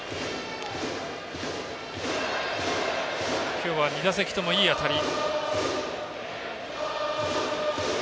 今日は２打席ともいい当たり。